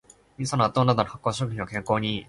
みそ、納豆などの発酵食品は健康にいい